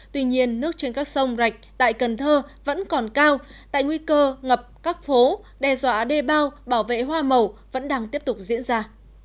tuy nhiên nước trên các sông rạch tại cần thơ vẫn còn cao tại nguy cơ ngập các phố đe dọa đê bao bảo vệ hoa màu vẫn đang tiếp tục diễn ra